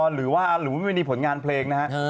หรือว่าไม่มีผลงานเพลงนะฮะ